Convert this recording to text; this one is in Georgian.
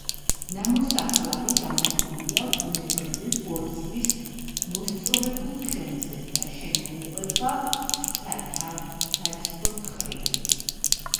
ნამოსახლარი გამართულია ბუნებრივი ბორცვის მოსწორებულ თხემზე და შემოუყვება სათავდაცვო თხრილი.